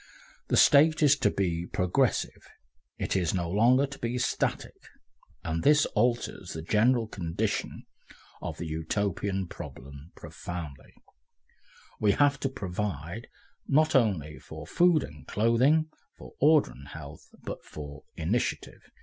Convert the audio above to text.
The State is to be progressive, it is no longer to be static, and this alters the general condition of the Utopian problem profoundly; we have to provide not only for food and clothing, for order and health, but for initiative.